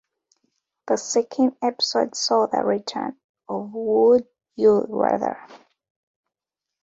The second episode saw the return of Would You Rather?